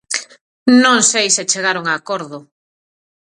Non sei se chegaron a acordo.